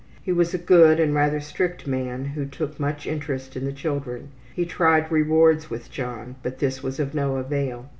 He was a good and rather strict man who took much interest in the children. He tried rewards with John, but this was of no avail.